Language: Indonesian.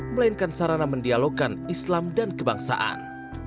melainkan sarana mendialogkan islam dan kebangsaan